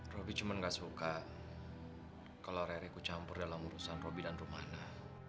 robi cuma gak suka kalau rere ku campur dalam urusan robi dan rumana